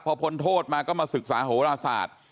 พอพ้นโทษมาก็มาศึกษาโหราศาสตร์